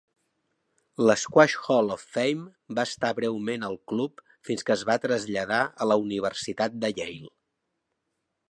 El Squash Hall of Fame va estar breument al club fins que es va traslladar a la Universitat de Yale.